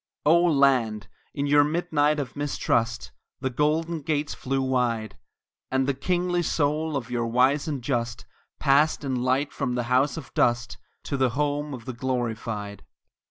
Oh, Land! in your midnight of mistrust The golden gates flew wide, And the kingly soul of your wise and just Passed in light from the house of dust To the Home of the Glorified!